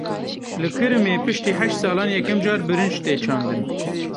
Li Kirimê piştî heşt salan yekem car birinc tê çandin.